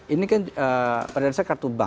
ini kan pada dasarnya kartu bank